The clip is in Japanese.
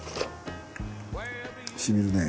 染みるね。